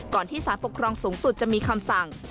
ที่สารปกครองสูงสุดจะมีคำสั่ง